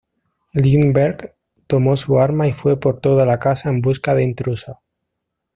Lindbergh tomó su arma y fue por toda la casa en busca de intrusos.